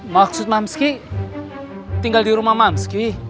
maksud mamski tinggal di rumah mamski